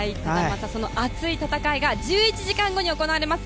熱い戦いが１１時間後に行われます。